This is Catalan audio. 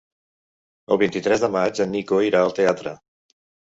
El vint-i-tres de maig en Nico irà al teatre.